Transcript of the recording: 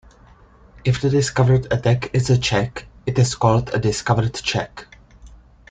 If the discovered attack is a check, it is called a discovered check.